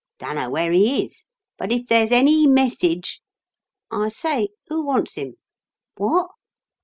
Dunno where he is. But if there's any messidge I say, who wants him? Wot?